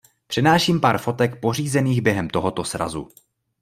Přináším pár fotek pořízených během tohoto srazu.